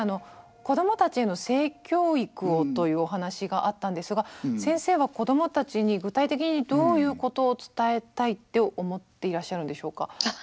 子どもたちへの性教育をというお話があったんですが先生は子どもたちに具体的にどういうことを伝えたいって思っていらっしゃるんでしょうか？